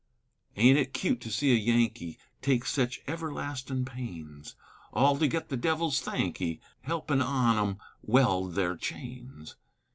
Aint it cute to see a Yankee Take sech everlastin' pains, All to get the Devil's thankee Helpin' on 'em weld their chains?